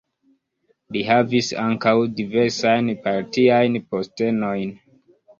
Li havis ankaŭ diversajn partiajn postenojn.